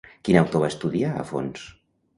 Quin autor va estudiar a fons?